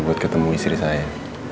buat ketemu istri saya